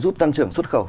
giúp tăng trưởng xuất khẩu